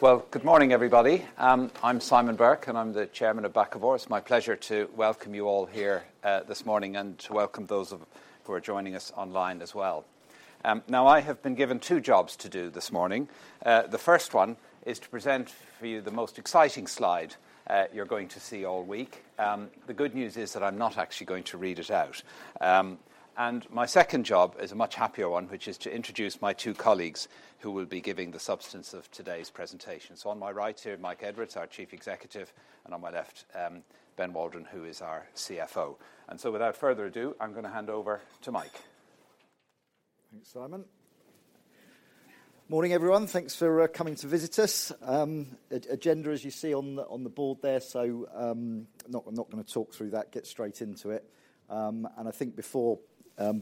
Well, good morning, everybody. I'm Simon Burke, and I'm the chairman of Bakkavor. It's my pleasure to welcome you all here this morning and to welcome those who are joining us online as well. Now, I have been given two jobs to do this morning. The first one is to present for you the most exciting slide you're going to see all week. The good news is that I'm not actually going to read it out. My second job is a much happier one, which is to introduce my two colleagues who will be giving the substance of today's presentation. So on my right here, Mike Edwards, our Chief Executive. And on my left, Ben Waldron, who is our CFO. And so without further ado, I'm going to hand over to Mike. Thanks, Simon. Morning, everyone. Thanks for coming to visit us. Agenda, as you see on the board there, so I'm not going to talk through that. Get straight into it. And I think before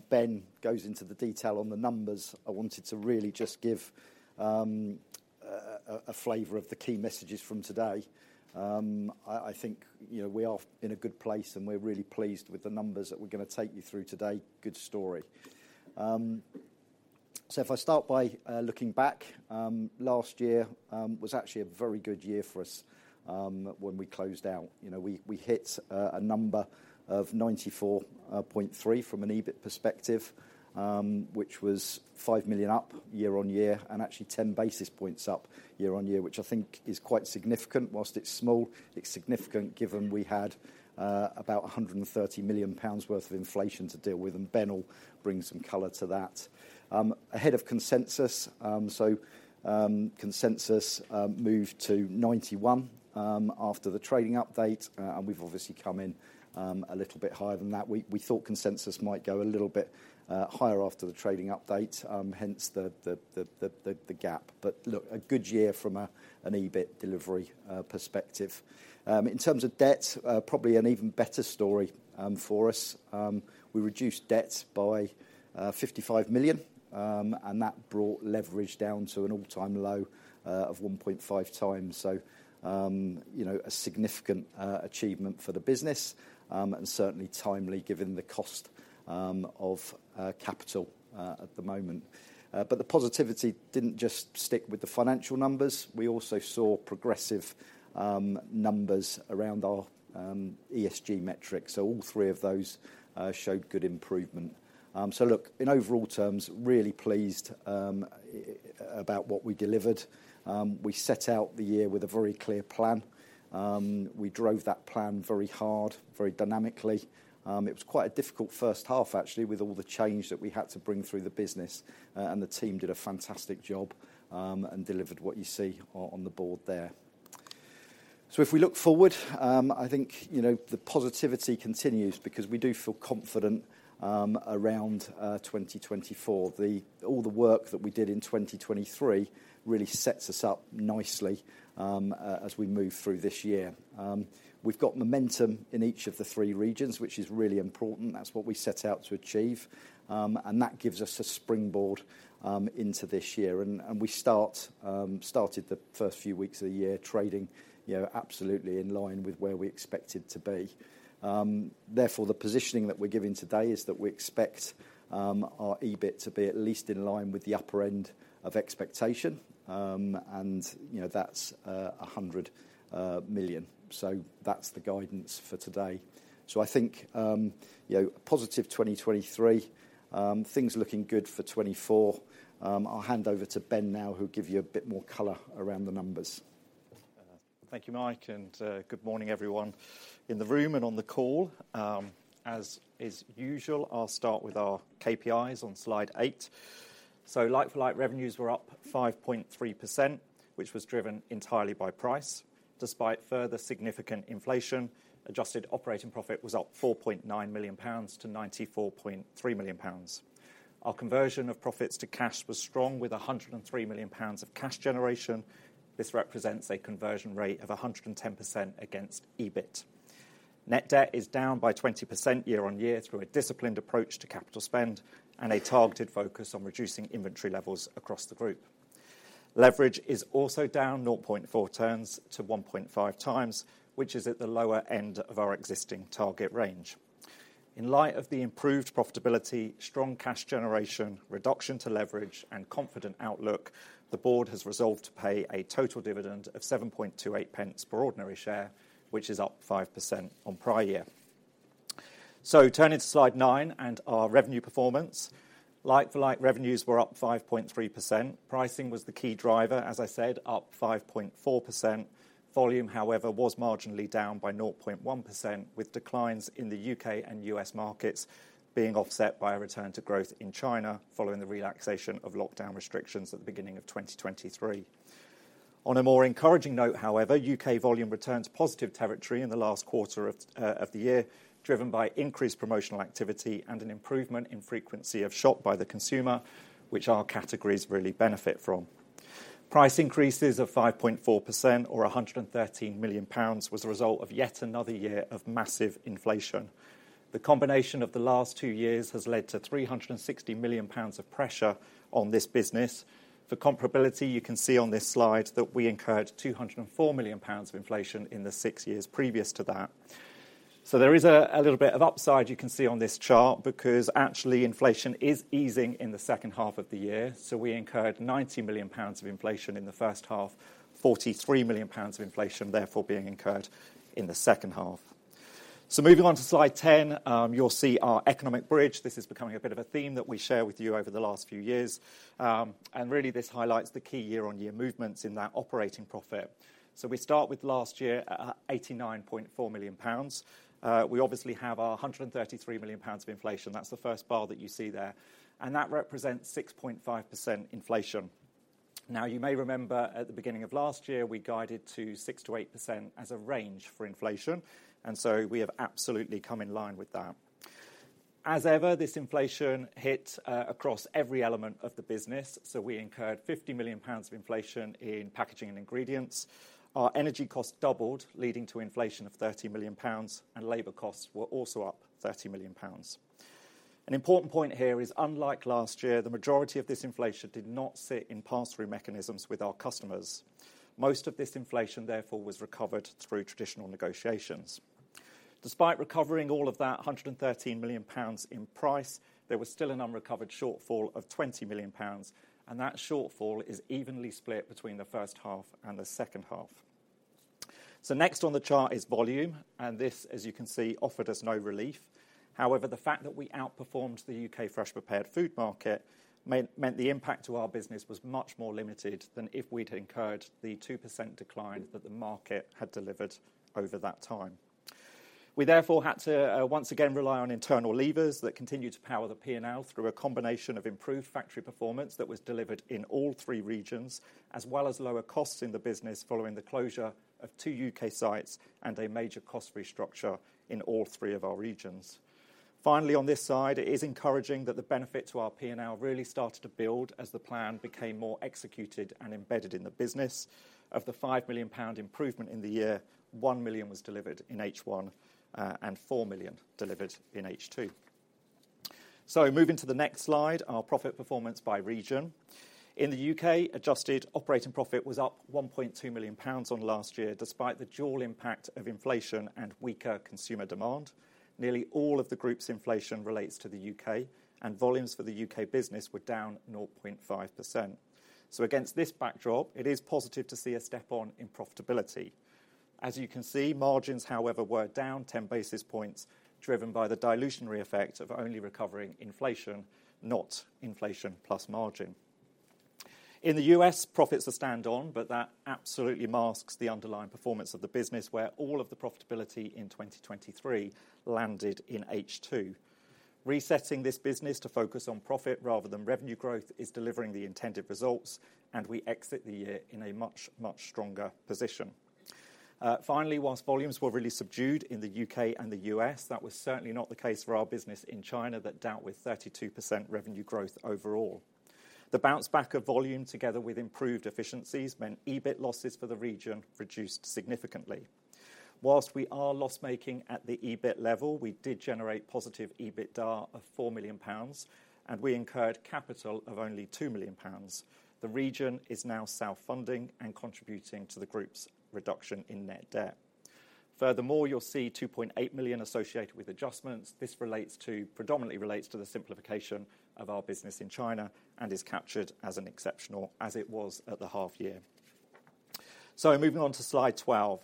Ben goes into the detail on the numbers, I wanted to really just give a flavor of the key messages from today. I think we are in a good place, and we're really pleased with the numbers that we're going to take you through today. Good story. So if I start by looking back, last year was actually a very good year for us when we closed out. We hit a number of 94.3 million from an EBIT perspective, which was 5 million up year-over-year and actually 10 basis points up year-over-year, which I think is quite significant. While it's small, it's significant given we had about 130 million pounds worth of inflation to deal with. Ben will bring some color to that. Ahead of consensus, so consensus moved to 91 after the trading update. We've obviously come in a little bit higher than that. We thought consensus might go a little bit higher after the trading update, hence the gap. Look, a good year from an EBIT delivery perspective. In terms of debt, probably an even better story for us. We reduced debt by 55 million, and that brought leverage down to an all-time low of 1.5 times. It's a significant achievement for the business and certainly timely given the cost of capital at the moment. The positivity didn't just stick with the financial numbers. We also saw progressive numbers around our ESG metrics. All three of those showed good improvement. So look, in overall terms, really pleased about what we delivered. We set out the year with a very clear plan. We drove that plan very hard, very dynamically. It was quite a difficult first half, actually, with all the change that we had to bring through the business. And the team did a fantastic job and delivered what you see on the board there. So if we look forward, I think the positivity continues because we do feel confident around 2024. All the work that we did in 2023 really sets us up nicely as we move through this year. We've got momentum in each of the three regions, which is really important. That's what we set out to achieve. And that gives us a springboard into this year. And we started the first few weeks of the year trading absolutely in line with where we expected to be. Therefore, the positioning that we're giving today is that we expect our EBIT to be at least in line with the upper end of expectation. That's 100 million. That's the guidance for today. I think a positive 2023, things looking good for 2024. I'll hand over to Ben now, who will give you a bit more color around the numbers. Thank you, Mike. Good morning, everyone in the room and on the call. As is usual, I'll start with our KPIs on slide 8. Like-for-like revenues were up 5.3%, which was driven entirely by price. Despite further significant inflation, adjusted operating profit was up 4.9 million pounds to 94.3 million pounds. Our conversion of profits to cash was strong, with 103 million pounds of cash generation. This represents a conversion rate of 110% against EBIT. Net debt is down by 20% year-over-year through a disciplined approach to capital spend and a targeted focus on reducing inventory levels across the group. Leverage is also down 0.4 turns to 1.5 times, which is at the lower end of our existing target range. In light of the improved profitability, strong cash generation, reduction to leverage, and confident outlook, the board has resolved to pay a total dividend of 0.728 per ordinary share, which is up 5% on prior year. Turning to slide 9 and our revenue performance, like-for-like revenues were up 5.3%. Pricing was the key driver, as I said, up 5.4%. Volume, however, was marginally down by 0.1%, with declines in the U.K. and U.S. markets being offset by a return to growth in China following the relaxation of lockdown restrictions at the beginning of 2023. On a more encouraging note, however, U.K. volume returned positive territory in the last quarter of the year, driven by increased promotional activity and an improvement in frequency of shop-by-the-consumer, which our categories really benefit from. Price increases of 5.4%, or 113 million pounds, was the result of yet another year of massive inflation. The combination of the last two years has led to 360 million pounds of pressure on this business. For comparability, you can see on this slide that we incurred 204 million pounds of inflation in the six years previous to that. So there is a little bit of upside you can see on this chart because, actually, inflation is easing in the second half of the year. So we incurred 90 million pounds of inflation in the first half, 43 million pounds of inflation, therefore, being incurred in the second half. So moving on to slide 10, you'll see our economic bridge. This is becoming a bit of a theme that we share with you over the last few years. And really, this highlights the key year-on-year movements in that operating profit. So we start with last year, 89.4 million pounds. We obviously have our 133 million pounds of inflation. That's the first bar that you see there. That represents 6.5% inflation. Now, you may remember at the beginning of last year, we guided to 6%-8% as a range for inflation. So we have absolutely come in line with that. As ever, this inflation hit across every element of the business. So we incurred 50 million pounds of inflation in packaging and ingredients. Our energy costs doubled, leading to inflation of 30 million pounds. Labor costs were also up 30 million pounds. An important point here is, unlike last year, the majority of this inflation did not sit in pass-through mechanisms with our customers. Most of this inflation, therefore, was recovered through traditional negotiations. Despite recovering all of that 113 million pounds in price, there was still an unrecovered shortfall of 20 million pounds. That shortfall is evenly split between the first half and the second half. So next on the chart is volume. And this, as you can see, offered us no relief. However, the fact that we outperformed the U.K. fresh prepared food market meant the impact to our business was much more limited than if we'd incurred the 2% decline that the market had delivered over that time. We therefore had to once again rely on internal levers that continue to power the P&L through a combination of improved factory performance that was delivered in all three regions, as well as lower costs in the business following the closure of two U.K. sites and a major cost restructure in all three of our regions. Finally, on this side, it is encouraging that the benefit to our P&L really started to build as the plan became more executed and embedded in the business. Of the 5 million pound improvement in the year, 1 million was delivered in H1 and 4 million delivered in H2. So moving to the next slide, our profit performance by region. In the U.K., adjusted operating profit was up 1.2 million pounds on last year, despite the dual impact of inflation and weaker consumer demand. Nearly all of the group's inflation relates to the U.K., and volumes for the U.K. business were down 0.5%. So against this backdrop, it is positive to see a step on in profitability. As you can see, margins, however, were down 10 basis points, driven by the dilutionary effect of only recovering inflation, not inflation plus margin. In the U.S., profits are stand on, but that absolutely masks the underlying performance of the business, where all of the profitability in 2023 landed in H2. Resetting this business to focus on profit rather than revenue growth is delivering the intended results. We exit the year in a much, much stronger position. Finally, while volumes were really subdued in the U.K. and the U.S., that was certainly not the case for our business in China that dealt with 32% revenue growth overall. The bounce back of volume, together with improved efficiencies, meant EBIT losses for the region reduced significantly. While we are loss-making at the EBIT level, we did generate positive EBITDA of 4 million pounds. We incurred capital of only 2 million pounds. The region is now self-funding and contributing to the group's reduction in net debt. Furthermore, you'll see 2.8 million associated with adjustments. This predominantly relates to the simplification of our business in China and is captured as an exceptional as it was at the half-year. So moving on to slide 12,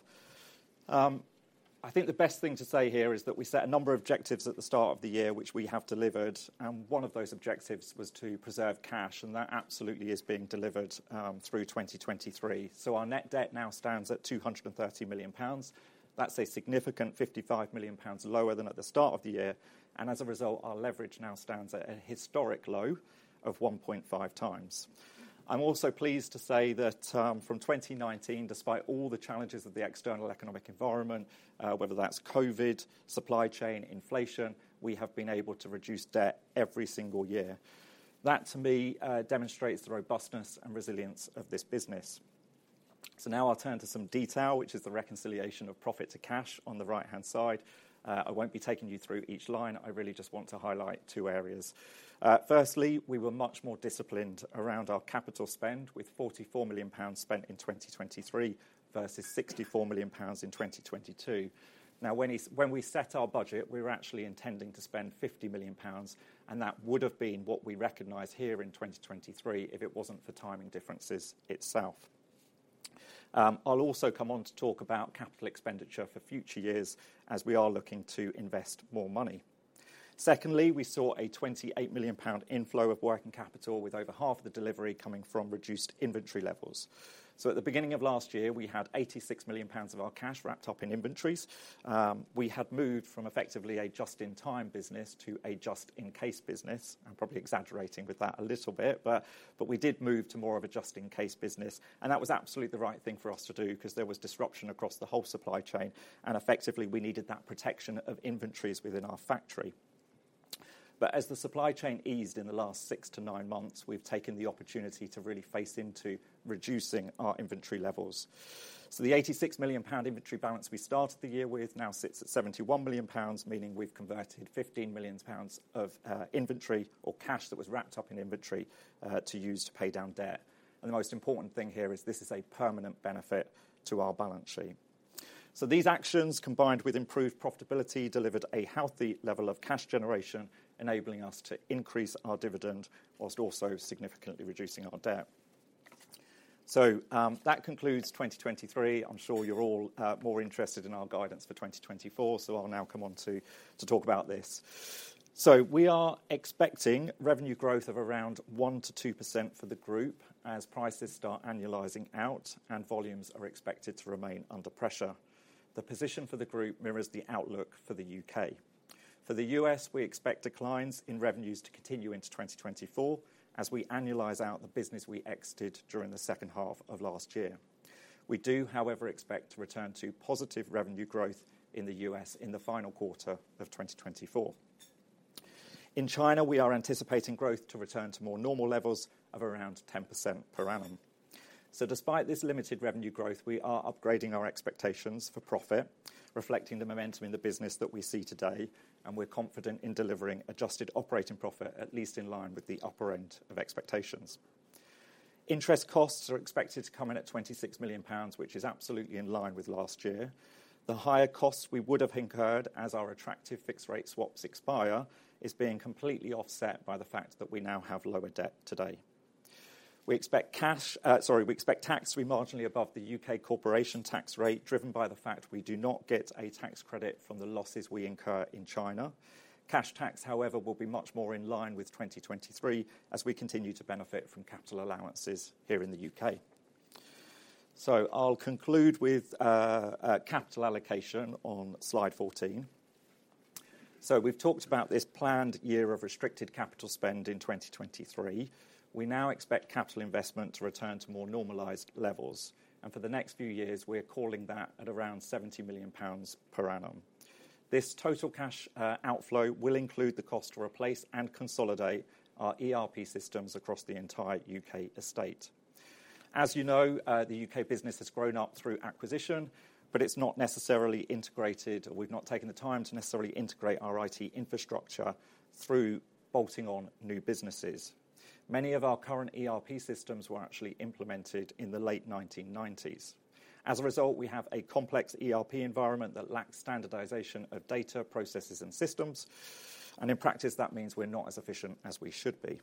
I think the best thing to say here is that we set a number of objectives at the start of the year, which we have delivered. And one of those objectives was to preserve cash. And that absolutely is being delivered through 2023. So our net debt now stands at 230 million pounds. That's a significant 55 million pounds lower than at the start of the year. And as a result, our leverage now stands at a historic low of 1.5 times. I'm also pleased to say that from 2019, despite all the challenges of the external economic environment, whether that's COVID, supply chain, inflation, we have been able to reduce debt every single year. That, to me, demonstrates the robustness and resilience of this business. So now I'll turn to some detail, which is the reconciliation of profit to cash on the right-hand side. I won't be taking you through each line. I really just want to highlight two areas. Firstly, we were much more disciplined around our capital spend, with GBP 44 million spent in 2023 versus GBP 64 million in 2022. Now, when we set our budget, we were actually intending to spend GBP 50 million. That would have been what we recognize here in 2023 if it wasn't for timing differences itself. I'll also come on to talk about capital expenditure for future years as we are looking to invest more money. Secondly, we saw a 28 million pound inflow of working capital, with over half of the delivery coming from reduced inventory levels. At the beginning of last year, we had 86 million pounds of our cash wrapped up in inventories. We had moved from effectively a just-in-time business to a just-in-case business, and probably exaggerating with that a little bit. We did move to more of a just-in-case business. That was absolutely the right thing for us to do because there was disruption across the whole supply chain. Effectively, we needed that protection of inventories within our factory. But as the supply chain eased in the last six to nine months, we've taken the opportunity to really face into reducing our inventory levels. The 86 million pound inventory balance we started the year with now sits at 71 million pounds, meaning we've converted 15 million pounds of inventory or cash that was wrapped up in inventory to use to pay down debt. The most important thing here is this is a permanent benefit to our balance sheet. These actions, combined with improved profitability, delivered a healthy level of cash generation, enabling us to increase our dividend while also significantly reducing our debt. That concludes 2023. I'm sure you're all more interested in our guidance for 2024. So I'll now come on to talk about this. So we are expecting revenue growth of around 1%-2% for the group as prices start annualizing out and volumes are expected to remain under pressure. The position for the group mirrors the outlook for the U.K. For the U.S., we expect declines in revenues to continue into 2024 as we annualize out the business we exited during the second half of last year. We do, however, expect to return to positive revenue growth in the U.S. in the final quarter of 2024. In China, we are anticipating growth to return to more normal levels of around 10% per annum. So despite this limited revenue growth, we are upgrading our expectations for profit, reflecting the momentum in the business that we see today. We're confident in delivering adjusted operating profit, at least in line with the upper end of expectations. Interest costs are expected to come in at 26 million pounds, which is absolutely in line with last year. The higher costs we would have incurred as our attractive fixed-rate swaps expire is being completely offset by the fact that we now have lower debt today. We expect tax at marginally above the U.K. corporation tax rate, driven by the fact we do not get a tax credit from the losses we incur in China. Cash tax, however, will be much more in line with 2023 as we continue to benefit from capital allowances here in the U.K. I'll conclude with capital allocation on slide 14. We've talked about this planned year of restricted capital spend in 2023. We now expect capital investment to return to more normalized levels. For the next few years, we are calling that at around 70 million pounds per annum. This total cash outflow will include the cost to replace and consolidate our ERP systems across the entire U.K. estate. As you know, the U.K. business has grown up through acquisition. It's not necessarily integrated. We've not taken the time to necessarily integrate our I.T. infrastructure through bolting on new businesses. Many of our current ERP systems were actually implemented in the late 1990s. As a result, we have a complex ERP environment that lacks standardization of data, processes, and systems. In practice, that means we're not as efficient as we should be.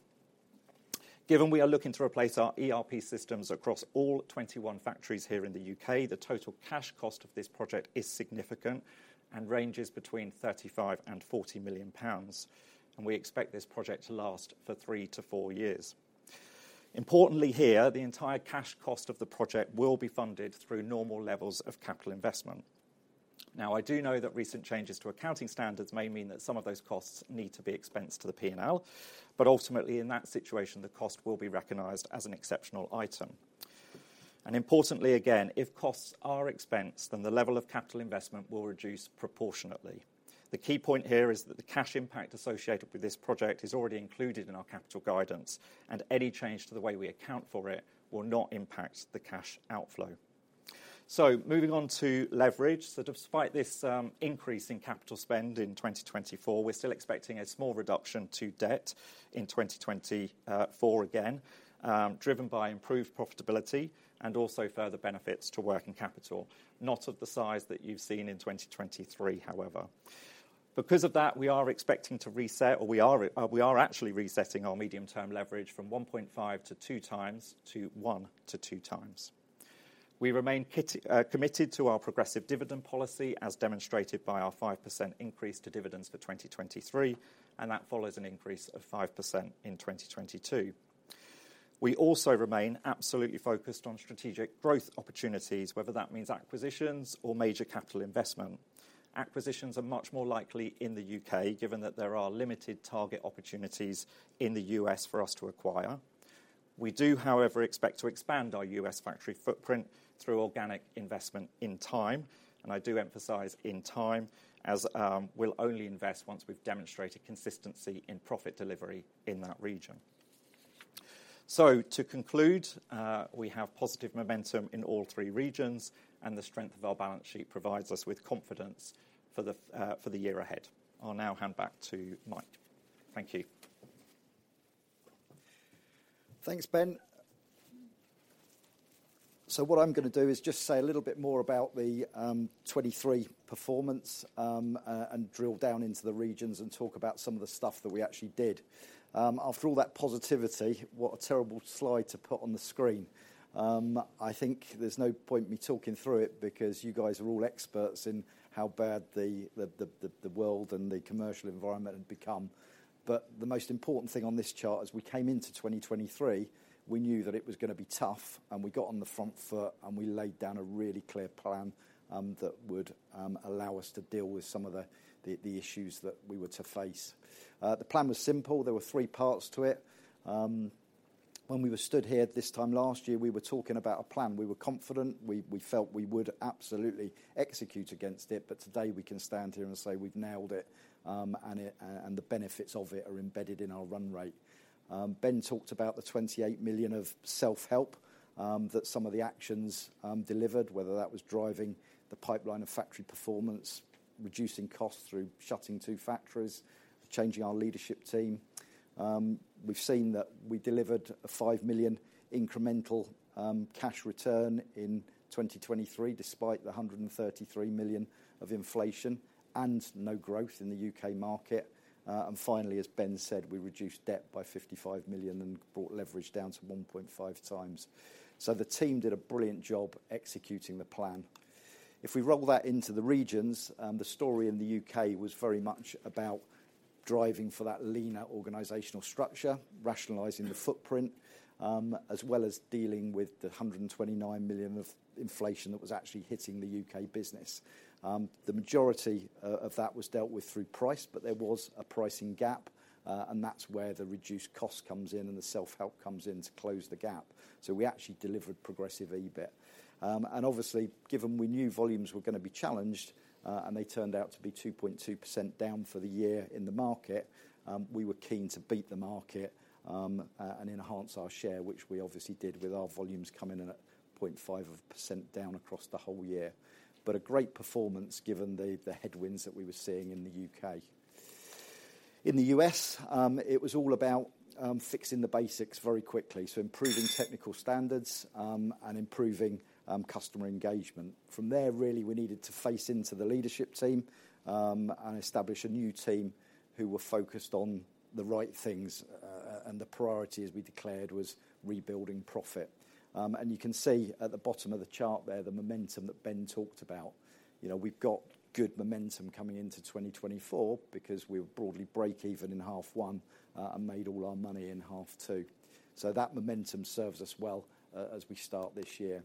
Given we are looking to replace our ERP systems across all 21 factories here in the U.K., the total cash cost of this project is significant and ranges between 35 million and 40 million pounds. We expect this project to last for 3-4 years. Importantly here, the entire cash cost of the project will be funded through normal levels of capital investment. Now, I do know that recent changes to accounting standards may mean that some of those costs need to be expensed to the P&L. Ultimately, in that situation, the cost will be recognized as an exceptional item. Importantly, again, if costs are expensed, then the level of capital investment will reduce proportionately. The key point here is that the cash impact associated with this project is already included in our capital guidance. Any change to the way we account for it will not impact the cash outflow. Moving on to leverage. Despite this increase in capital spend in 2024, we're still expecting a small reduction to debt in 2024 again, driven by improved profitability and also further benefits to working capital, not of the size that you've seen in 2023, however. Because of that, we are expecting to reset or we are actually resetting our medium-term leverage from 1.5-2 times to 1-2 times. We remain committed to our progressive dividend policy, as demonstrated by our 5% increase to dividends for 2023. That follows an increase of 5% in 2022. We also remain absolutely focused on strategic growth opportunities, whether that means acquisitions or major capital investment. Acquisitions are much more likely in the U.K., given that there are limited target opportunities in the U.S. for us to acquire. We do, however, expect to expand our U.S. factory footprint through organic investment in time. I do emphasize in time, as we'll only invest once we've demonstrated consistency in profit delivery in that region. To conclude, we have positive momentum in all three regions. The strength of our balance sheet provides us with confidence for the year ahead. I'll now hand back to Mike. Thank you. Thanks, Ben. What I'm going to do is just say a little bit more about the 2023 performance and drill down into the regions and talk about some of the stuff that we actually did. After all that positivity, what a terrible slide to put on the screen. I think there's no point me talking through it because you guys are all experts in how bad the world and the commercial environment had become. But the most important thing on this chart is we came into 2023, we knew that it was going to be tough. We got on the front foot. We laid down a really clear plan that would allow us to deal with some of the issues that we were to face. The plan was simple. There were three parts to it. When we were stood here this time last year, we were talking about a plan. We were confident. We felt we would absolutely execute against it. But today, we can stand here and say we've nailed it. The benefits of it are embedded in our run rate. Ben talked about the 28 million of self-help that some of the actions delivered, whether that was driving the pipeline of factory performance, reducing costs through shutting two factories, changing our leadership team. We've seen that we delivered a 5 million incremental cash return in 2023, despite the 133 million of inflation and no growth in the U.K. market. And finally, as Ben said, we reduced debt by 55 million and brought leverage down to 1.5 times. So the team did a brilliant job executing the plan. If we roll that into the regions, the story in the U.K. was very much about driving for that leaner organizational structure, rationalizing the footprint, as well as dealing with the 129 million of inflation that was actually hitting the U.K. business. The majority of that was dealt with through price. But there was a pricing gap. That's where the reduced cost comes in and the self-help comes in to close the gap. So we actually delivered progressive EBIT. And obviously, given we knew volumes were going to be challenged, and they turned out to be 2.2% down for the year in the market, we were keen to beat the market and enhance our share, which we obviously did with our volumes coming in at 0.5% down across the whole year. But a great performance, given the headwinds that we were seeing in the U.K. In the U.S., it was all about fixing the basics very quickly, so improving technical standards and improving customer engagement. From there, really, we needed to face into the leadership team and establish a new team who were focused on the right things. And the priority, as we declared, was rebuilding profit. And you can see at the bottom of the chart there the momentum that Ben talked about. We've got good momentum coming into 2024 because we were broadly break-even in half-one and made all our money in half-two. So that momentum serves us well as we start this year.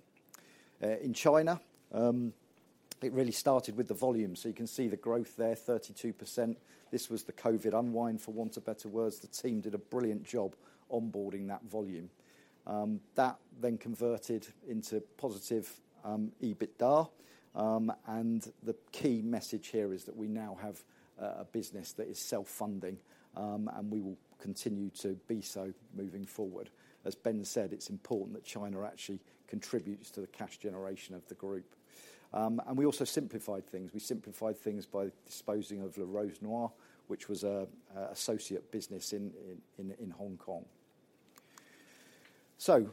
In China, it really started with the volume. So you can see the growth there, 32%. This was the COVID unwind, for want of better words. The team did a brilliant job onboarding that volume. That then converted into positive EBITDA. And the key message here is that we now have a business that is self-funding. And we will continue to be so moving forward. As Ben said, it's important that China actually contributes to the cash generation of the group. And we also simplified things. We simplified things by disposing of Le Rose Noire, which was an associate business in Hong Kong. So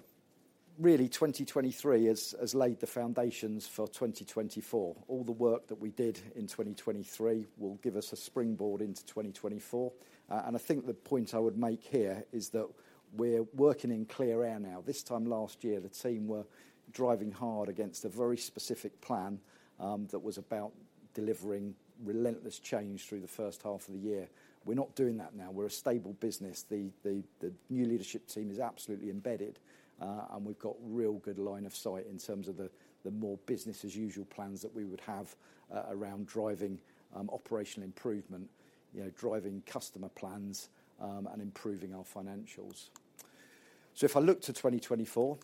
really, 2023 has laid the foundations for 2024. All the work that we did in 2023 will give us a springboard into 2024. And I think the point I would make here is that we're working in clear air now. This time last year, the team were driving hard against a very specific plan that was about delivering relentless change through the first half of the year. We're not doing that now. We're a stable business. The new leadership team is absolutely embedded. And we've got a real good line of sight in terms of the more business-as-usual plans that we would have around driving operational improvement, driving customer plans, and improving our financials. So if I look to 2024,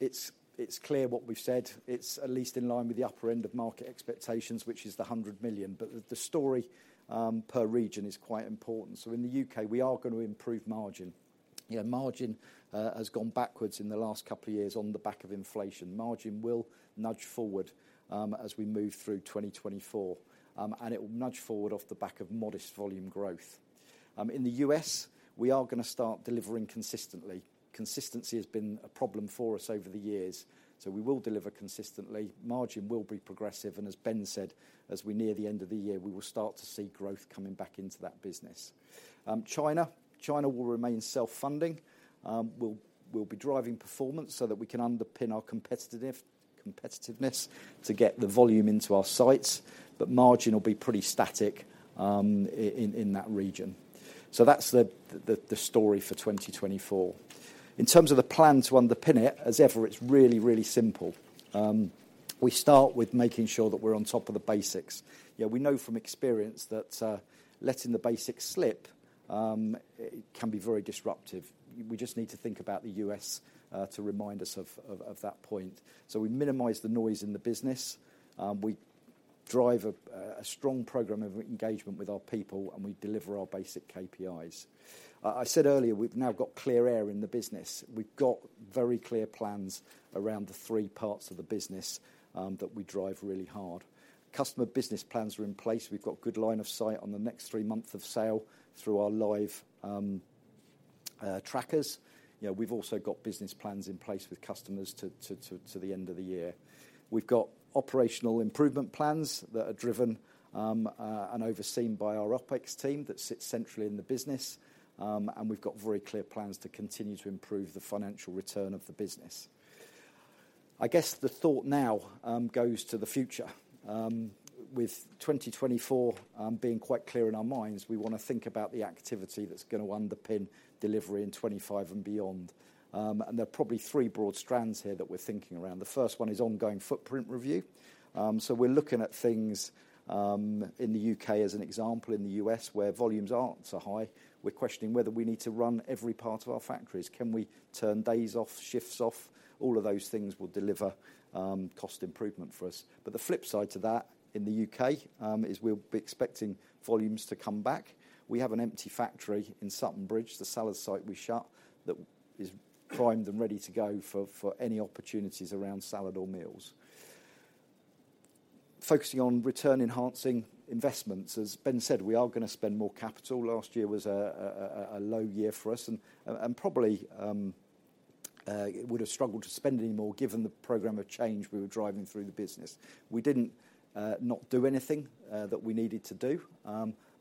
it's clear what we've said. It's at least in line with the upper end of market expectations, which is the 100 million. But the story per region is quite important. In the U.K., we are going to improve margin. Margin has gone backwards in the last couple of years on the back of inflation. Margin will nudge forward as we move through 2024. It will nudge forward off the back of modest volume growth. In the U.S., we are going to start delivering consistently. Consistency has been a problem for us over the years. We will deliver consistently. Margin will be progressive. As Ben said, as we near the end of the year, we will start to see growth coming back into that business. China, China will remain self-funding. We'll be driving performance so that we can underpin our competitiveness to get the volume into our sites. But margin will be pretty static in that region. So that's the story for 2024. In terms of the plan to underpin it, as ever, it's really, really simple. We start with making sure that we're on top of the basics. We know from experience that letting the basics slip can be very disruptive. We just need to think about the U.S. to remind us of that point. So we minimize the noise in the business. We drive a strong program of engagement with our people. And we deliver our basic KPIs. I said earlier, we've now got clear air in the business. We've got very clear plans around the three parts of the business that we drive really hard. Customer business plans are in place. We've got a good line of sight on the next three months of sales through our live trackers. We've also got business plans in place with customers to the end of the year. We've got operational improvement plans that are driven and overseen by our OPEX team that sits centrally in the business. And we've got very clear plans to continue to improve the financial return of the business. I guess the thought now goes to the future. With 2024 being quite clear in our minds, we want to think about the activity that's going to underpin delivery in 2025 and beyond. And there are probably three broad strands here that we're thinking around. The first one is ongoing footprint review. So we're looking at things in the U.K., as an example, in the U.S., where volumes aren't so high. We're questioning whether we need to run every part of our factories. Can we turn days off, shifts off? All of those things will deliver cost improvement for us. But the flip side to that in the U.K. is we'll be expecting volumes to come back. We have an empty factory in Sutton Bridge, the salad site we shut, that is primed and ready to go for any opportunities around salad or meals. Focusing on return-enhancing investments. As Ben said, we are going to spend more capital. Last year was a low year for us. And probably would have struggled to spend any more, given the program of change we were driving through the business. We didn't not do anything that we needed to do.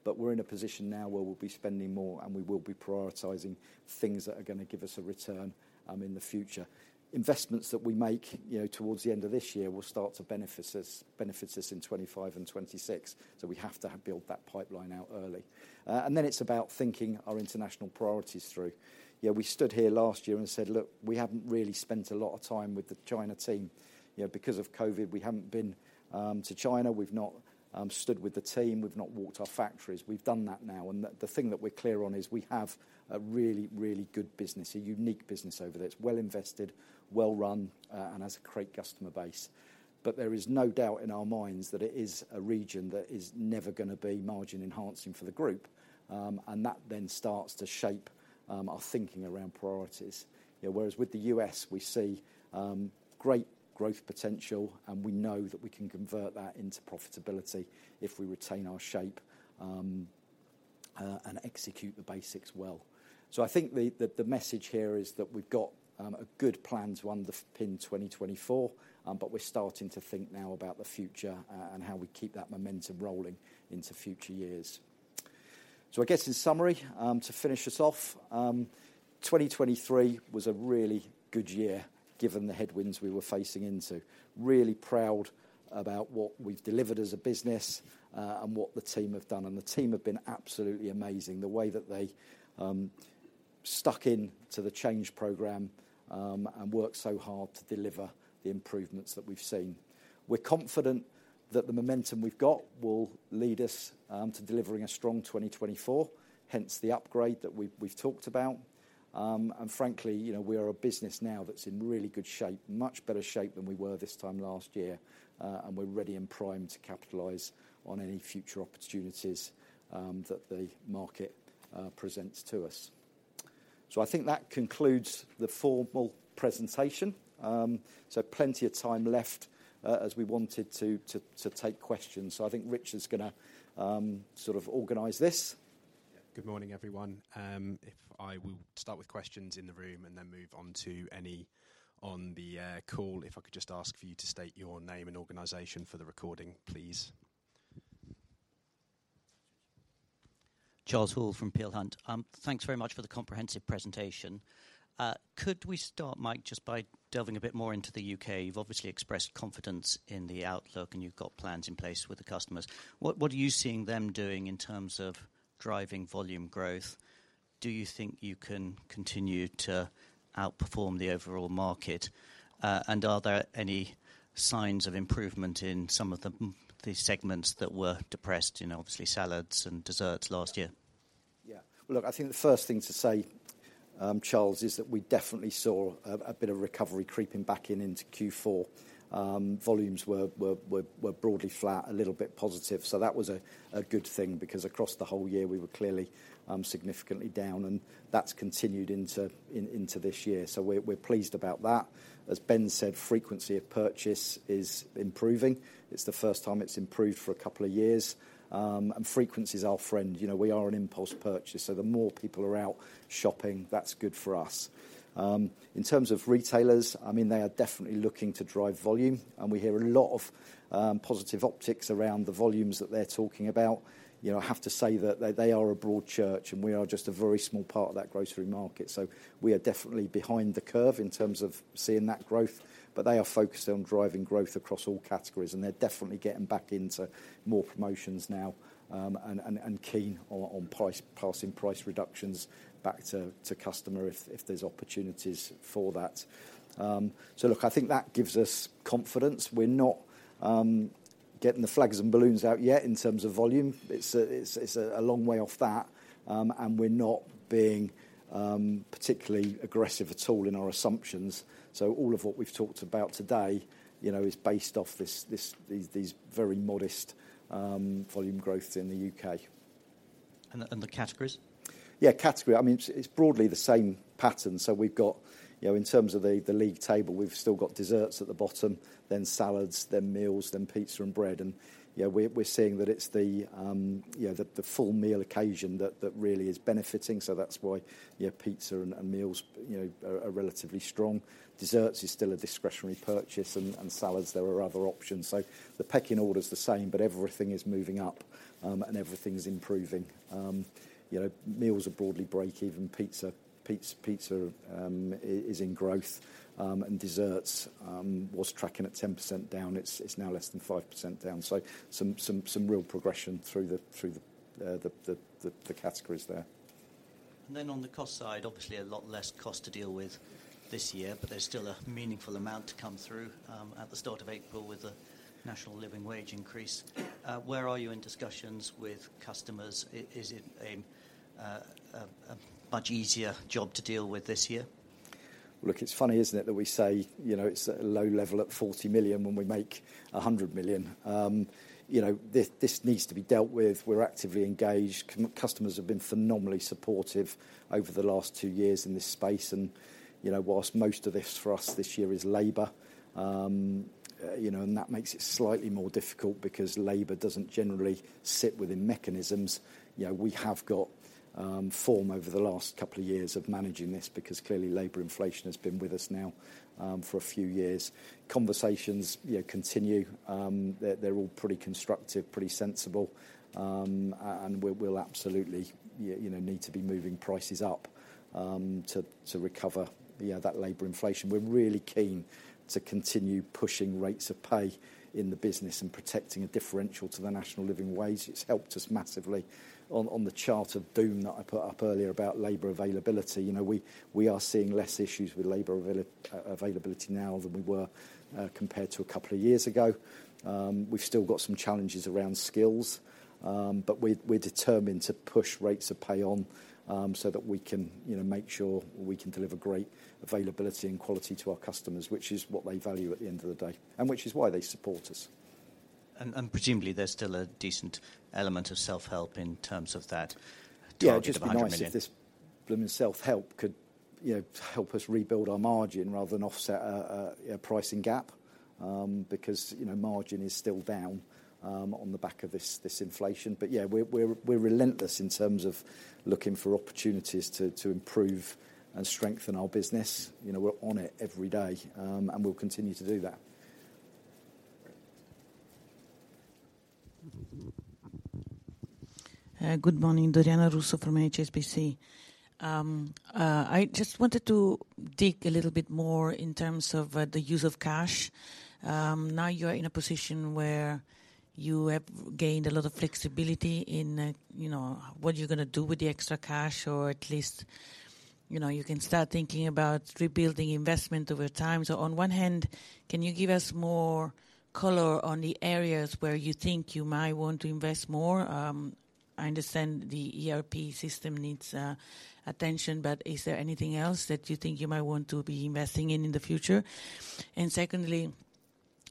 But we're in a position now where we'll be spending more. And we will be prioritizing things that are going to give us a return in the future. Investments that we make towards the end of this year will start to benefit us in 2025 and 2026. So we have to build that pipeline out early. And then it's about thinking our international priorities through. We stood here last year and said, look, we haven't really spent a lot of time with the China team. Because of COVID, we haven't been to China. We've not stood with the team. We've not walked our factories. We've done that now. And the thing that we're clear on is we have a really, really good business, a unique business over there. It's well invested, well run, and has a great customer base. But there is no doubt in our minds that it is a region that is never going to be margin-enhancing for the group. And that then starts to shape our thinking around priorities. Whereas with the U.S., we see great growth potential. And we know that we can convert that into profitability if we retain our shape and execute the basics well. So I think the message here is that we've got a good plan to underpin 2024. But we're starting to think now about the future and how we keep that momentum rolling into future years. So I guess, in summary, to finish us off, 2023 was a really good year, given the headwinds we were facing into. Really proud about what we've delivered as a business and what the team have done. And the team have been absolutely amazing, the way that they stuck in to the change program and worked so hard to deliver the improvements that we've seen. We're confident that the momentum we've got will lead us to delivering a strong 2024, hence the upgrade that we've talked about. Frankly, we are a business now that's in really good shape, much better shape than we were this time last year. We're ready and primed to capitalize on any future opportunities that the market presents to us. I think that concludes the formal presentation. Plenty of time left, as we wanted to take questions. I think Richard's going to sort of organize this. Good morning, everyone. If I will start with questions in the room and then move on to any on the call, if I could just ask for you to state your name and organization for the recording, please. Charles Hall from Peel Hunt. Thanks very much for the comprehensive presentation. Could we start, Mike, just by delving a bit more into the U.K.? You've obviously expressed confidence in the outlook. You've got plans in place with the customers. What are you seeing them doing in terms of driving volume growth? Do you think you can continue to outperform the overall market? Are there any signs of improvement in some of the segments that were depressed, obviously salads and desserts, last year? Yeah. Well, look, I think the first thing to say, Charles, is that we definitely saw a bit of recovery creeping back in into Q4. Volumes were broadly flat, a little bit positive. So that was a good thing because across the whole year, we were clearly significantly down. And that's continued into this year. So we're pleased about that. As Ben said, frequency of purchase is improving. It's the first time it's improved for a couple of years. And frequency is our friend. We are an impulse purchase. So the more people are out shopping, that's good for us. In terms of retailers, I mean, they are definitely looking to drive volume. And we hear a lot of positive optics around the volumes that they're talking about. I have to say that they are a broad church. And we are just a very small part of that grocery market. So we are definitely behind the curve in terms of seeing that growth. But they are focused on driving growth across all categories. And they're definitely getting back into more promotions now and keen on passing price reductions back to customer if there's opportunities for that. So look, I think that gives us confidence. We're not getting the flags and balloons out yet in terms of volume. It's a long way off that. And we're not being particularly aggressive at all in our assumptions. So all of what we've talked about today is based off these very modest volume growths in the U.K. The categories? Yeah, category. I mean, it's broadly the same pattern. So we've got, in terms of the league table, we've still got desserts at the bottom, then salads, then meals, then pizza and bread. And we're seeing that it's the full meal occasion that really is benefiting. So that's why pizza and meals are relatively strong. Desserts is still a discretionary purchase. And salads, there are other options. So the pecking order's the same. But everything is moving up. And everything's improving. Meals are broadly break-even. Pizza is in growth. And desserts was tracking at 10% down. It's now less than 5% down. So some real progression through the categories there. And then on the cost side, obviously, a lot less cost to deal with this year. But there's still a meaningful amount to come through at the start of April with the National Living Wage increase. Where are you in discussions with customers? Is it a much easier job to deal with this year? Well, look, it's funny, isn't it, that we say it's a low level at 40 million when we make 100 million. This needs to be dealt with. We're actively engaged. Customers have been phenomenally supportive over the last two years in this space. And whilst most of this for us this year is labor, and that makes it slightly more difficult because labor doesn't generally sit within mechanisms, we have got form over the last couple of years of managing this because clearly labor inflation has been with us now for a few years. Conversations continue. They're all pretty constructive, pretty sensible. And we'll absolutely need to be moving prices up to recover that labor inflation. We're really keen to continue pushing rates of pay in the business and protecting a differential to the National Living Wage. It's helped us massively on the chart of doom that I put up earlier about labor availability. We are seeing less issues with labor availability now than we were compared to a couple of years ago. We've still got some challenges around skills. But we're determined to push rates of pay on so that we can make sure we can deliver great availability and quality to our customers, which is what they value at the end of the day, and which is why they support us. Presumably, there's still a decent element of self-help in terms of that. Yeah, it'd be nice if this blooming self-help could help us rebuild our margin rather than offset a pricing gap because margin is still down on the back of this inflation. But yeah, we're relentless in terms of looking for opportunities to improve and strengthen our business. We're on it every day. And we'll continue to do that. Good morning. Doriana Russo from HSBC. I just wanted to dig a little bit more in terms of the use of cash. Now you are in a position where you have gained a lot of flexibility in what you're going to do with the extra cash. Or at least, you can start thinking about rebuilding investment over time. So on one hand, can you give us more color on the areas where you think you might want to invest more? I understand the ERP system needs attention. But is there anything else that you think you might want to be investing in in the future? And secondly,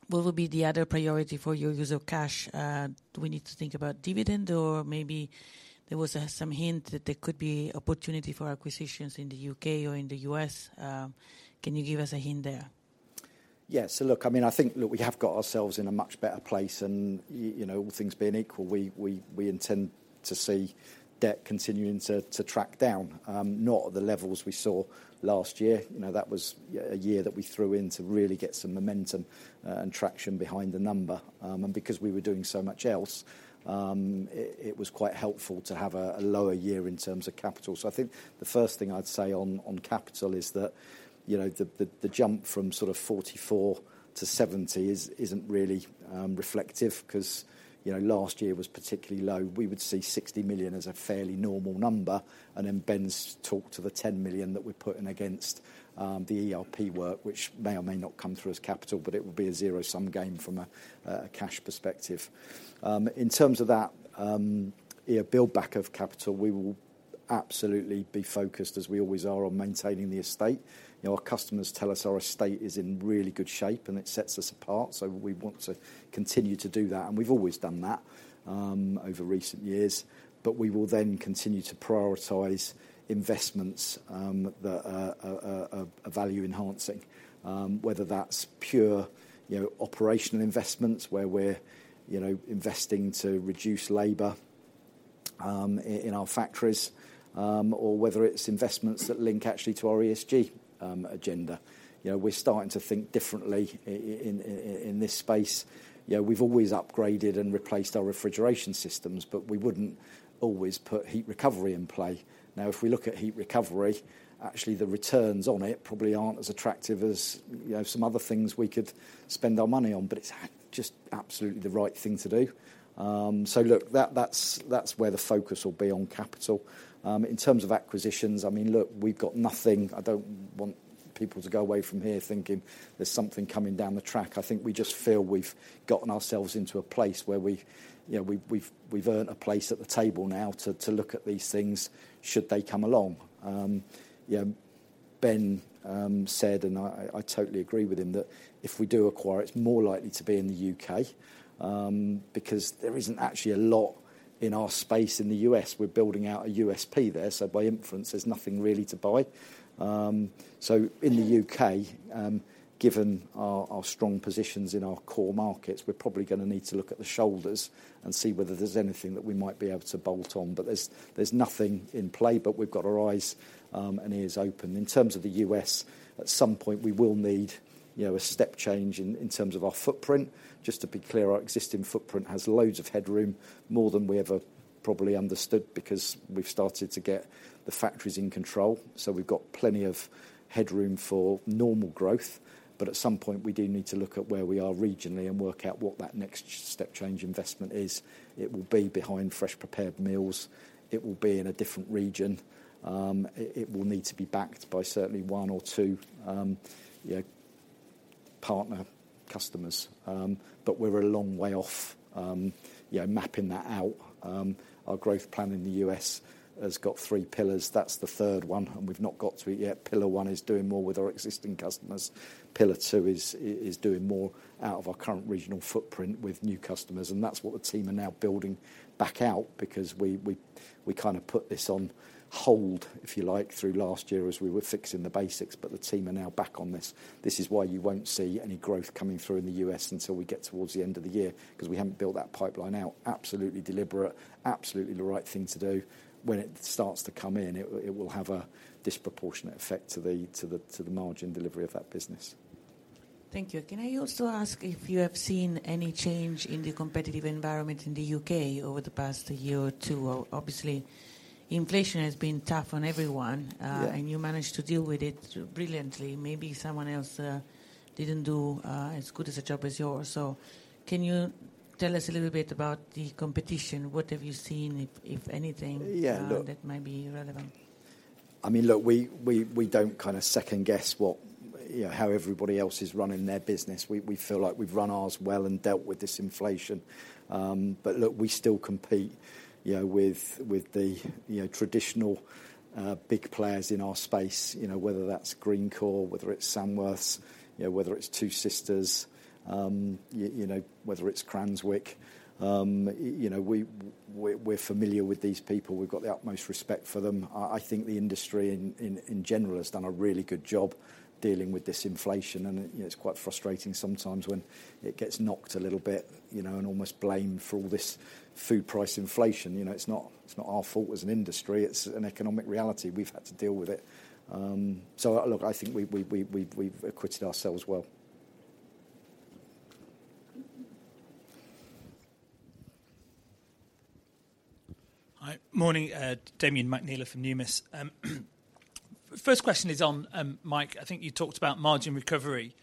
what would be the other priority for your use of cash? Do we need to think about dividend? Or maybe there was some hint that there could be opportunity for acquisitions in the U.K. or in the U.S. Can you give us a hint there? Yeah. So look, I mean, I think, look, we have got ourselves in a much better place. All things being equal, we intend to see debt continuing to track down, not at the levels we saw last year. That was a year that we threw into to really get some momentum and traction behind the number. Because we were doing so much else, it was quite helpful to have a lower year in terms of capital. I think the first thing I'd say on capital is that the jump from sort of 44 million to 70 million isn't really reflective because last year was particularly low. We would see 60 million as a fairly normal number. Then Ben's talked to the 10 million that we're putting against the ERP work, which may or may not come through as capital. But it would be a zero-sum game from a cash perspective. In terms of that build back of capital, we will absolutely be focused, as we always are, on maintaining the estate. Our customers tell us our estate is in really good shape. And it sets us apart. So we want to continue to do that. And we've always done that over recent years. But we will then continue to prioritize investments that are value-enhancing, whether that's pure operational investments where we're investing to reduce labor in our factories, or whether it's investments that link actually to our ESG agenda. We're starting to think differently in this space. We've always upgraded and replaced our refrigeration systems. But we wouldn't always put heat recovery in play. Now, if we look at heat recovery, actually, the returns on it probably aren't as attractive as some other things we could spend our money on. But it's just absolutely the right thing to do. So look, that's where the focus will be on capital. In terms of acquisitions, I mean, look, we've got nothing. I don't want people to go away from here thinking there's something coming down the track. I think we just feel we've gotten ourselves into a place where we've earned a place at the table now to look at these things should they come along. Ben said, and I totally agree with him, that if we do acquire, it's more likely to be in the U.K. because there isn't actually a lot in our space in the U.S. We're building out a USP there. So by inference, there's nothing really to buy. So in the U.K., given our strong positions in our core markets, we're probably going to need to look at the shoulders and see whether there's anything that we might be able to bolt on. But there's nothing in play. But we've got our eyes and ears open. In terms of the U.S., at some point, we will need a step change in terms of our footprint. Just to be clear, our existing footprint has loads of headroom, more than we ever probably understood because we've started to get the factories in control. So we've got plenty of headroom for normal growth. But at some point, we do need to look at where we are regionally and work out what that next step change investment is. It will be behind fresh-prepared meals. It will be in a different region. It will need to be backed by certainly one or two partner customers. But we're a long way off mapping that out. Our growth plan in the U.S. has got three pillars. That's the third one. And we've not got to it yet. Pillar one is doing more with our existing customers. Pillar two is doing more out of our current regional footprint with new customers. And that's what the team are now building back out because we kind of put this on hold, if you like, through last year as we were fixing the basics. But the team are now back on this. This is why you won't see any growth coming through in the U.S. until we get towards the end of the year because we haven't built that pipeline out. Absolutely deliberate, absolutely the right thing to do. When it starts to come in, it will have a disproportionate effect to the margin delivery of that business. Thank you. Can I also ask if you have seen any change in the competitive environment in the U.K. over the past year or two? Obviously, inflation has been tough on everyone. You managed to deal with it brilliantly. Maybe someone else didn't do as good as a job as yours. Can you tell us a little bit about the competition? What have you seen, if anything, that might be relevant? Yeah. Look, I mean, look, we don't kind of second-guess how everybody else is running their business. We feel like we've run ours well and dealt with this inflation. But look, we still compete with the traditional big players in our space, whether that's Greencore, whether it's Samworth, whether it's 2 Sisters, whether it's Cranswick. We're familiar with these people. We've got the utmost respect for them. I think the industry in general has done a really good job dealing with this inflation. And it's quite frustrating sometimes when it gets knocked a little bit and almost blamed for all this food price inflation. It's not our fault as an industry. It's an economic reality. We've had to deal with it. So look, I think we've acquitted ourselves well. Hi. Morning. Damian McNeela from Numis. First question is on, Mike, I think you talked about margin recovery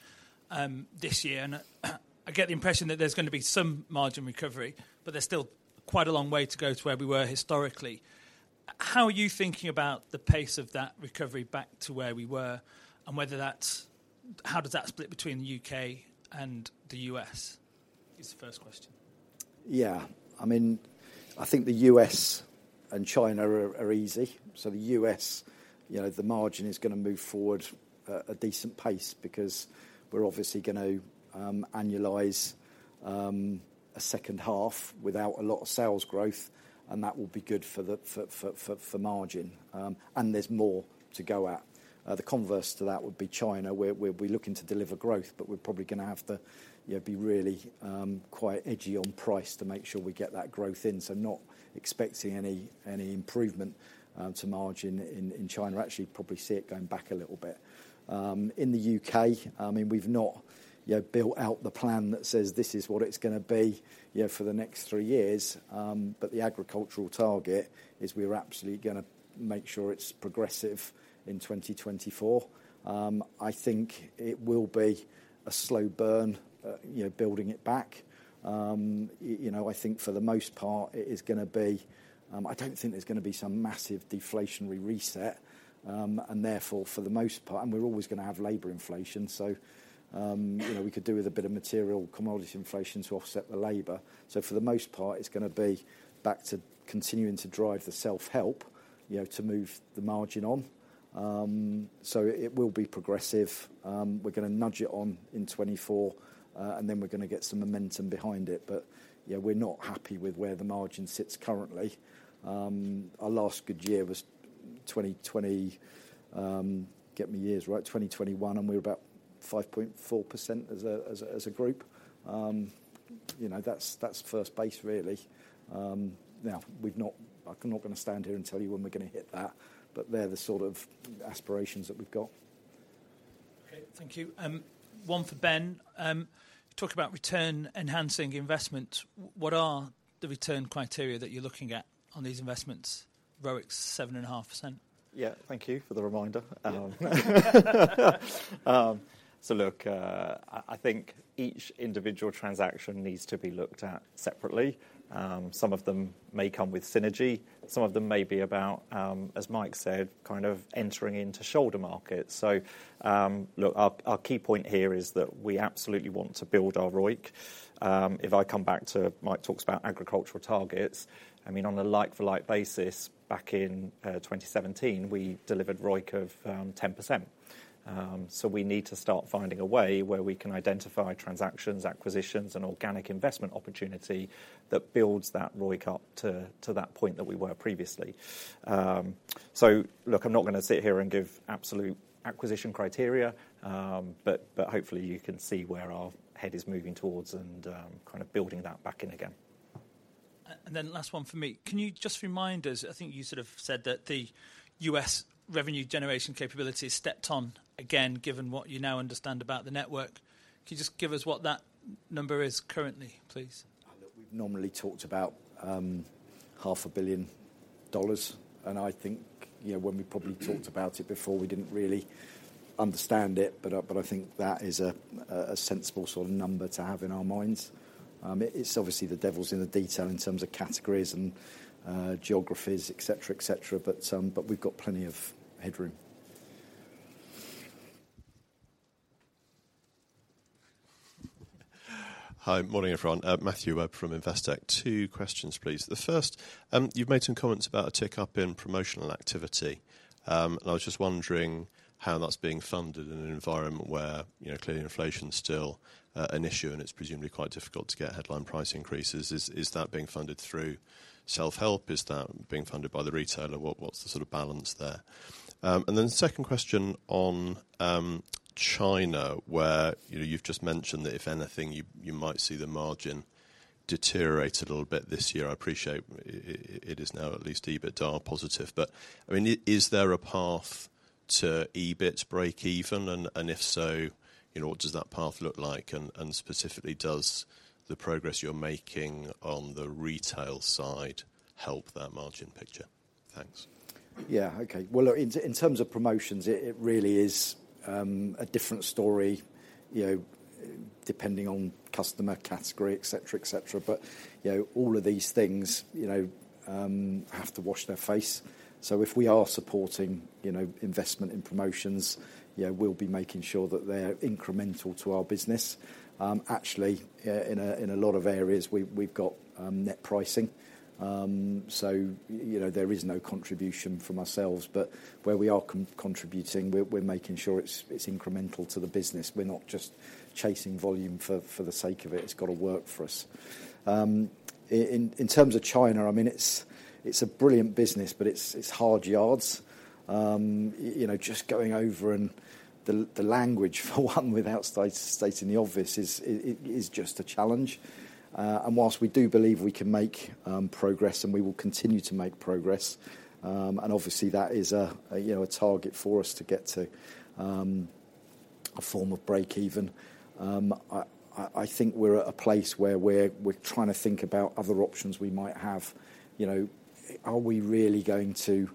this year. And I get the impression that there's going to be some margin recovery. But there's still quite a long way to go to where we were historically. How are you thinking about the pace of that recovery back to where we were? And how does that split between the U.K. and the U.S.? Is the first question. Yeah. I mean, I think the U.S. and China are easy. So the U.S., the margin is going to move forward at a decent pace because we're obviously going to annualize a second half without a lot of sales growth. And that will be good for margin. And there's more to go at. The converse to that would be China. We'll be looking to deliver growth. But we're probably going to have to be really quite edgy on price to make sure we get that growth in. So not expecting any improvement to margin in China. Actually, probably see it going back a little bit. In the U.K., I mean, we've not built out the plan that says, this is what it's going to be for the next three years. But the agricultural target is, we're absolutely going to make sure it's progressive in 2024. I think it will be a slow burn building it back. I think for the most part, it is going to be. I don't think there's going to be some massive deflationary reset. And therefore, for the most part and we're always going to have labor inflation. So we could do with a bit of material commodities inflation to offset the labor. So for the most part, it's going to be back to continuing to drive the self-help to move the margin on. So it will be progressive. We're going to nudge it on in 2024. And then we're going to get some momentum behind it. But we're not happy with where the margin sits currently. Our last good year was 2020, get me years right, 2021. And we were about 5.4% as a group. That's first base, really. Now, I'm not going to stand here and tell you when we're going to hit that. But they're the sort of aspirations that we've got. OK. Thank you. One for Ben. You talked about return-enhancing investments. What are the return criteria that you're looking at on these investments, ROIC 7.5%? Yeah. Thank you for the reminder. So look, I think each individual transaction needs to be looked at separately. Some of them may come with synergy. Some of them may be about, as Mike said, kind of entering into shoulder markets. So look, our key point here is that we absolutely want to build our ROIC. If I come back to Mike talks about ROIC targets, I mean, on a like-for-like basis, back in 2017, we delivered ROIC of 10%. So we need to start finding a way where we can identify transactions, acquisitions, and organic investment opportunity that builds that ROIC up to that point that we were previously. So look, I'm not going to sit here and give absolute acquisition criteria. But hopefully, you can see where our head is moving towards and kind of building that back in again. And then last one for me. Can you just remind us? I think you sort of said that the U.S. revenue generation capability stepped on again, given what you now understand about the network. Can you just give us what that number is currently, please? Look, we've normally talked about $500 million. I think when we probably talked about it before, we didn't really understand it. I think that is a sensible sort of number to have in our minds. It's obviously the devil's in the detail in terms of categories and geographies, et cetera, et cetera. We've got plenty of headroom. Hi. Morning, everyone. Matthew Webb from Investec. Two questions, please. The first, you've made some comments about a tick up in promotional activity. I was just wondering how that's being funded in an environment where clearly inflation's still an issue. It's presumably quite difficult to get headline price increases. Is that being funded through self-help? Is that being funded by the retailer? What's the sort of balance there? Then second question on China, where you've just mentioned that if anything, you might see the margin deteriorate a little bit this year. I appreciate it is now at least EBITDA positive. But I mean, is there a path to EBIT break-even? And if so, what does that path look like? And specifically, does the progress you're making on the retail side help that margin picture? Thanks. Yeah. OK. Well, look, in terms of promotions, it really is a different story depending on customer category, et cetera, et cetera. But all of these things have to wash their face. So if we are supporting investment in promotions, we'll be making sure that they're incremental to our business. Actually, in a lot of areas, we've got net pricing. So there is no contribution from ourselves. But where we are contributing, we're making sure it's incremental to the business. We're not just chasing volume for the sake of it. It's got to work for us. In terms of China, I mean, it's a brilliant business. But it's hard yards. Just going over and the language for one without stating the obvious is just a challenge. And while we do believe we can make progress, and we will continue to make progress, and obviously, that is a target for us to get to a form of break-even, I think we're at a place where we're trying to think about other options we might have. Are we really going to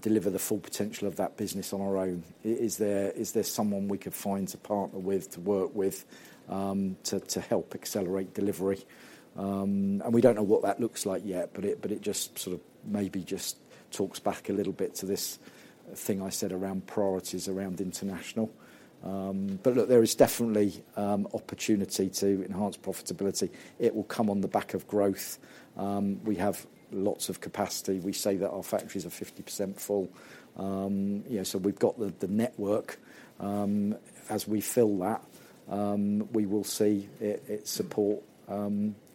deliver the full potential of that business on our own? Is there someone we could find to partner with, to work with, to help accelerate delivery? And we don't know what that looks like yet. But it just sort of maybe just talks back a little bit to this thing I said around priorities around international. But look, there is definitely opportunity to enhance profitability. It will come on the back of growth. We have lots of capacity. We say that our factories are 50% full. So we've got the network. As we fill that, we will see it support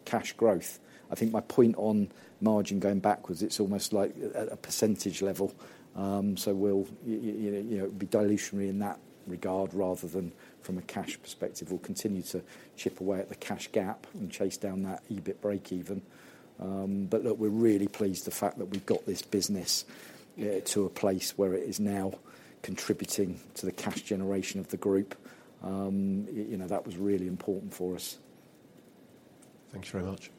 cash growth. I think my point on margin going backwards, it's almost like at a percentage level. So it'll be dilutionary in that regard rather than from a cash perspective. We'll continue to chip away at the cash gap and chase down that EBIT break-even. But look, we're really pleased with the fact that we've got this business to a place where it is now contributing to the cash generation of the group. That was really important for us. Thanks very much.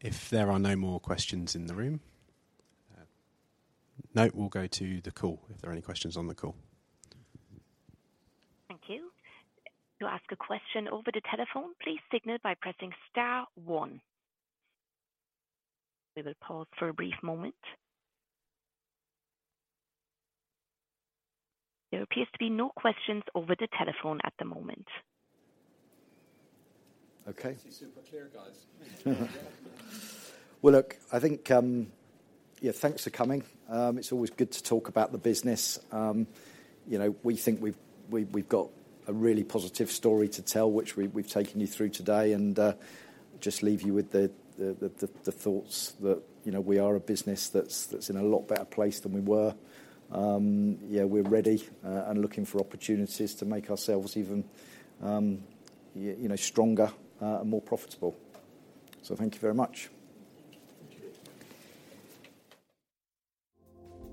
If there are no more questions in the room, note, we'll go to the call if there are any questions on the call. Thank you. To ask a question over the telephone, please signal by pressing star 1. We will pause for a brief moment. There appears to be no questions over the telephone at the moment. Okay. Super clear, guys. Well, look, I think, yeah, thanks for coming. It's always good to talk about the business. We think we've got a really positive story to tell, which we've taken you through today. And just leave you with the thoughts that we are a business that's in a lot better place than we were. Yeah, we're ready and looking for opportunities to make ourselves even stronger and more profitable. So thank you very much. Thank you.